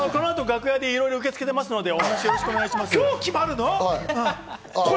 この後、楽屋でいろいろ受け付けていますので、お話よろしくお願いします。